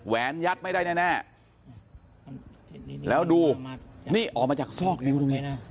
แวนยัดไม่ได้แน่แล้วดูนี่ออกมาจากซอกนิ้วตรงนี้นะ